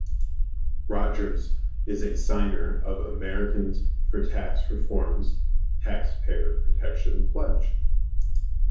Rogers is a signer of Americans for Tax Reform's Taxpayer Protection Pledge.